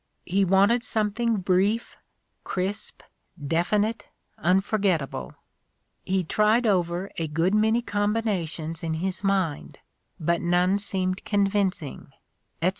He wanted something brief, crisp, definite, unforget table. He tried over a good many combinations in his mind, but none seemed convincing," etc.